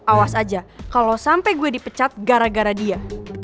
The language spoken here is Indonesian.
awas aja kalau sampai gue dipecat gara gara dia